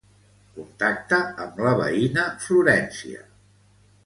Contacta amb la veïna Florència.